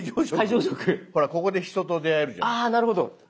ほらここで人と出会えるじゃないですか。